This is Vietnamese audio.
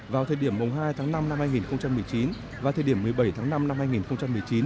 vào thời điểm hai tháng năm năm hai nghìn một mươi chín và thời điểm một mươi bảy tháng năm năm hai nghìn một mươi chín